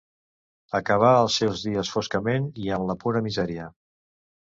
Acabà els seus dies foscament i en la pura misèria.